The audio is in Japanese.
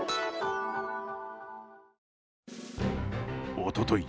おととい